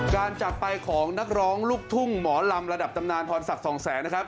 จากไปของนักร้องลูกทุ่งหมอลำระดับตำนานพรศักดิ์สองแสงนะครับ